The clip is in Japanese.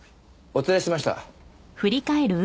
お連れしました。